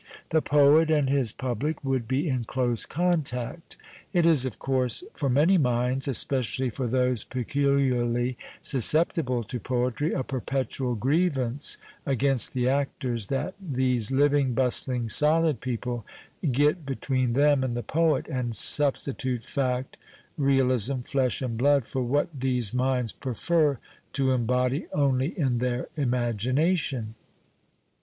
The poet and his pubhe would be in close contact. It is, of course, for many minds, especially for those peculiarly susceptible to poetry, a perpetual grievance against the actors that these living, bustling, solid pcoi)lc get between them and I he })oet and substitute fact, realism, flesh and blood for what these minds prefer to embody only in their imagination.